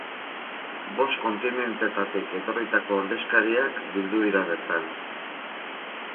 Bost kontinenteetatik etorritako ordezkariak bildu dira bertan.